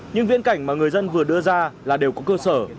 những viễn cảnh mà người dân vừa đưa ra là đều có cơ sở